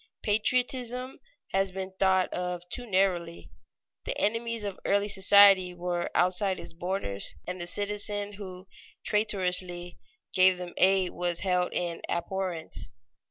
Patriotism has been thought of too narrowly. The enemies of early society were outside its borders, and the citizen who traitorously gave them aid was held in abhorrence.